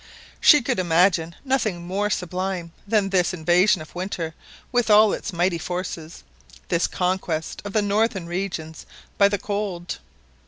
She could imagine nothing more sublime than this invasion of winter with all its mighty forces, this conquest of the northern regions by the cold.